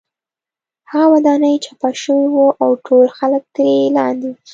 هغه ودانۍ چپه شوې وه او ټول خلک ترې لاندې وو